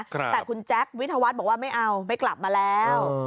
แต่คุณแจ๊ควิทยาวัฒน์บอกว่าไม่เอาไม่กลับมาแล้ว